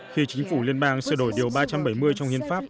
khi chính phủ liên bang sửa đổi điều ba trăm bảy mươi trong hiến pháp